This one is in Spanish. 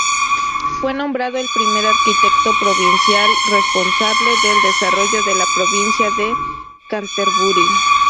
Fue nombrado el primer arquitecto provincial responsable del desarrollo de la provincia de Canterbury.